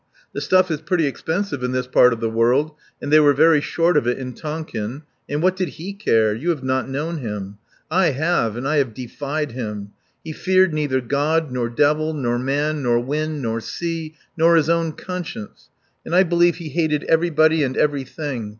The stuff is pretty expensive in this part of the world, and they were very short of it in Tonkin. And what did he care? You have not known him. I have, and I have defied him. He feared neither God, nor devil, nor man, nor wind, nor sea, nor his own conscience. And I believe he hated everybody and everything.